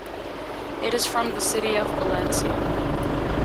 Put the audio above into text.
It is from the city of Valencia.